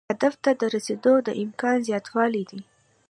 هدف ته د رسیدو د امکان زیاتوالی دی.